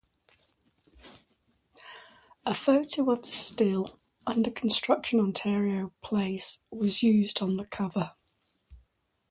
A photo of the still under construction Ontario Place was used on the cover.